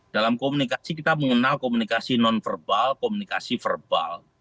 dalam komunikasi kita mengenal komunikasi non verbal komunikasi verbal